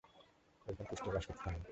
এরপর কুষ্টিয়ায় বাস করতে থাকেন।